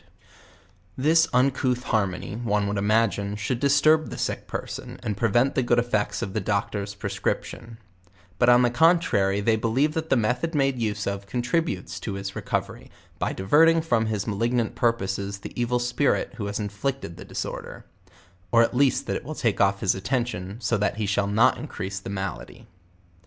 LEWIS AND CLAKE, 101 This uncouth harmony one would imagine ehould disturb the sick person and prevent the good effects of the doctor's prescription; but on the contrary they believe that the method made use of, contributes to his recovery, by diverting from his malignant purposes the evil spirit who has inflicted the disorder; or at least that it will take off his attention, so that he shall not increase the malady.